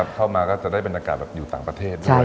เข้ามาก็จะได้บรรยากาศอยู่ต่างประเทศด้วย